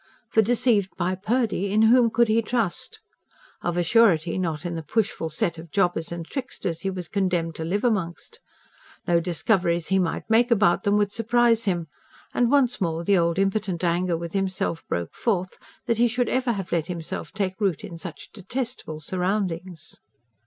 For, deceived by Purdy, in whom could he trust? Of a surety not in the pushful set of jobbers and tricksters he was condemned to live amongst. No discoveries he might make about them would surprise him. And once more the old impotent anger with himself broke forth, that he should ever have let himself take root in such detestable surroundings.